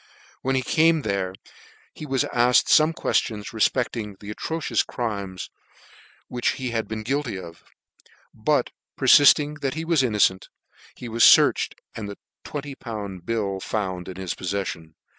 When he came there he was alked fome queftions refpecling the atro cious crimes of which he had been guilty ; but perilling that he was innocent, he was fearched, and the 201. bill found in his poffeffion.